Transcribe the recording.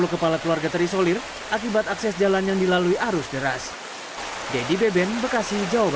kala keluarga terisolir akibat akses jalan yang dilalui arus deras